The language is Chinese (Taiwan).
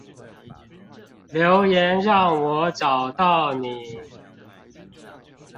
留言讓我找到你